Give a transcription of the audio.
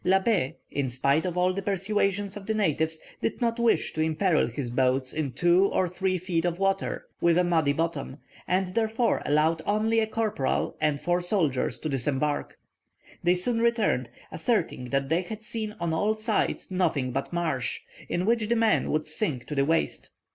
Labbé, in spite of all the persuasions of the natives, did not wish to imperil his boats in two or three feet of water, with a muddy bottom, and therefore allowed only a corporal and four soldiers to disembark. They soon returned, asserting that they had seen on all sides nothing but marsh, in which the men would sink to the waist.